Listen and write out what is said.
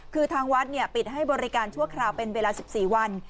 คือทางวัดปิดให้บริการชั่วคราวเป็นเวลา๑๔วัน